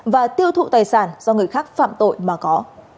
và tiêu thụ tài sản do người khác phạm tội mà có